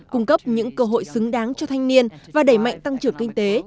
cung cấp những cơ hội xứng đáng cho thanh niên và đẩy mạnh tăng trưởng kinh tế